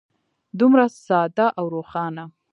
دومره ساده او روښانه.